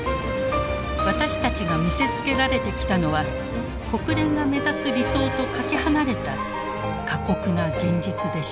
私たちが見せつけられてきたのは国連が目指す「理想」とかけ離れた過酷な「現実」でした。